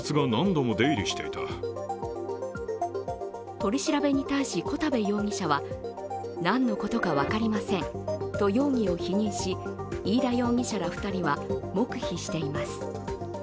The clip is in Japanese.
取り調べに対し対し、小田部容疑者は何のことか分かりませんと容疑を否認し飯田容疑者ら２人は黙秘しています